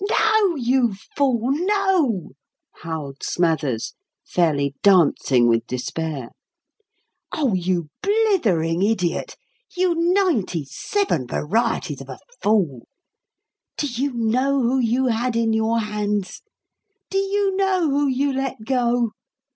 "No, you fool, no!" howled Smathers, fairly dancing with despair. "Oh, you blithering idiot! You ninety seven varieties of a fool! Do you know who you had in your hands? Do you know who you let go?